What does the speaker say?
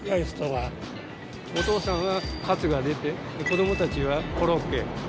お父さんはカツが出て子供たちはコロッケとか。